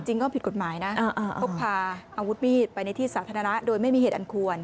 จริงก็ผิดกฎหมายนะพกพาอาวุธมีดไปในที่สาธารณะโดยไม่มีเหตุอันควร